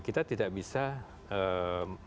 kita tidak bisa membiarkan negara kita tergantung